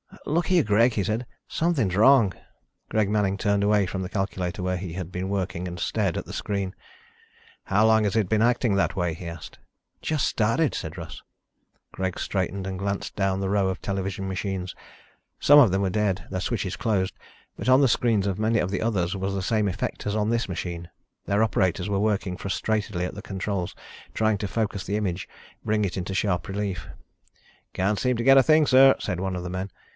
"Look here, Greg," he said. "Something's wrong." Greg Manning turned away from the calculator where he had been working and stared at the screen. "How long has it been acting that way?" he asked. "Just started," said Russ. Greg straightened and glanced down the row of television machines. Some of them were dead, their switches closed, but on the screens of many of the others was the same effect as on this machine. Their operators were working frustratedly at the controls, trying to focus the image, bring it into sharp relief. "Can't seem to get a thing, sir," said one of the men.